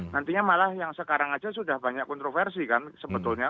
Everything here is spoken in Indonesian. nantinya malah yang sekarang aja sudah banyak kontroversi kan sebetulnya